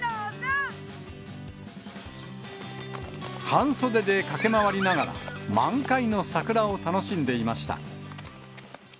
半袖で駆け回りながら、満開の桜を楽しんでいました。